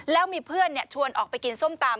แล้วมีเพื่อนชวนออกไปกินส้มตำ